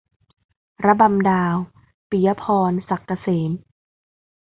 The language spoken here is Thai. ระบำดาว - ปิยะพร ศักดิ์เกษม